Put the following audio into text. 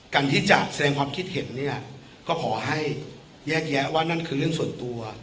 การที่จะแสดงความคิดเห็นเนี่ยก็ขอให้แยกแยะว่านั่นคือเรื่องส่วนตัว